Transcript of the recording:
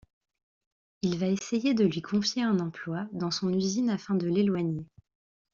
Il va essayer de lui confier un emploi dans son usine afin de l'éloigner.